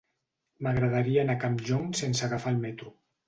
M'agradaria anar a Campllong sense agafar el metro.